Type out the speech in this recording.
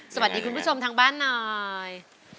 คุณผู้ชมทางบ้านหน่อย